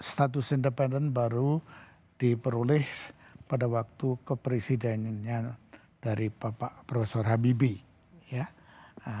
status independen baru diperoleh pada waktu kepresidennya dari prof habibie